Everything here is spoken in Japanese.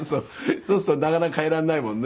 そうするとなかなか変えられないもんね。